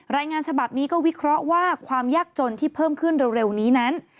รายงานฉบับนี้ก็วิเคราะห์ว่าความยากจนที่เพิ่มขึ้นเร็วนี้นั้น